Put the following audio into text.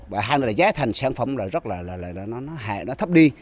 và hạn là giá thành sản phẩm là rất là nó thấp đi